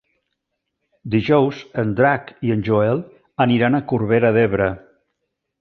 Dijous en Drac i en Joel aniran a Corbera d'Ebre.